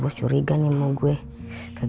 saya mau ke rumah